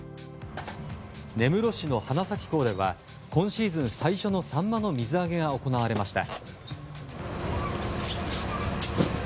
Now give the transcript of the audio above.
根室市の花咲港では今シーズン最初のサンマの水揚げが行われました。